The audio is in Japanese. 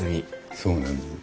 そうなんです。